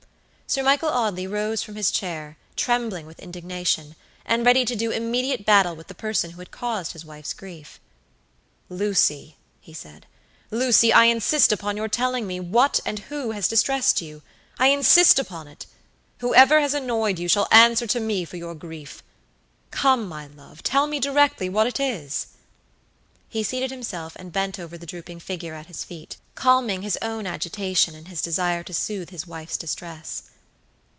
Sir Michael Audley rose from his chair, trembling with indignation, and ready to do immediate battle with the person who had caused his wife's grief. "Lucy," he said, "Lucy, I insist upon your telling me what and who has distressed you. I insist upon it. Whoever has annoyed you shall answer to me for your grief. Come, my love, tell me directly what it is." He seated himself and bent over the drooping figure at his feet, calming his own agitation in his desire to soothe his wife's distress.